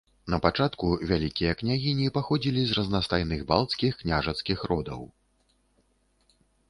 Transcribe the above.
Напачатку вялікія княгіні паходзілі з разнастайных балцкіх княжацкіх родаў.